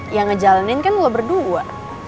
yang ngejalanin kan lo berdua